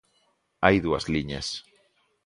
Hai dúas liñas.